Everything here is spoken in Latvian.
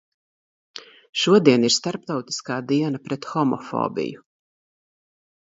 Šodien ir starptautiskā diena pret homofobiju.